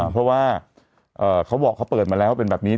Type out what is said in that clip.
เพราะว่าเขาบอกเขาเปิดมาแล้วเป็นแบบนี้